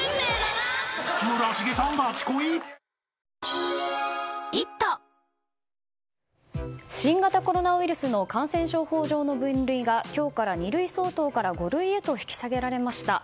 キッコーマン豆乳キッコーマン新型コロナウイルスの感染症法上の分類が今日から２類相当から５類へと引き下げられました。